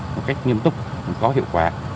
một cách nghiêm túc có hiệu quả